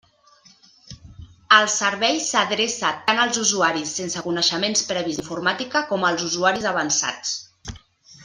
El servei s'adreça tant als usuaris sense coneixements previs d'informàtica, com als usuaris avançats.